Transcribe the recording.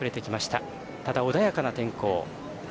ただ穏やかな天候。